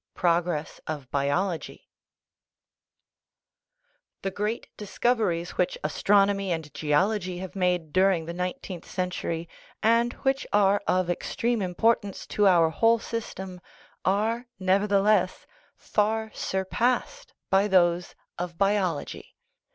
PROGRESS OF BIOLOGY The great discoveries which astronomy and geology have made during the nineteenth century, and which are of extreme importance to our whole system, are, nevertheless, far surpassed by those of biology.